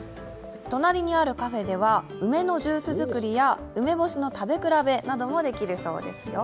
隣にあるカフェでは梅のジュース作りや梅干しの食べ比べなどもできるそうですよ。